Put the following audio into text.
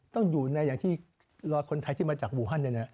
ต้องอยู่ในอย่างที่รอดคนไทยที่มาจากวูฮัน